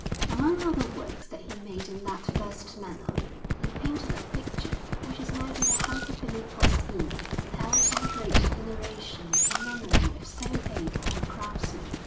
Among other works that he made in that first manner, he painted a picture which is now in the house of Filippo Spini, held in great veneration in memory of so able a craftsman.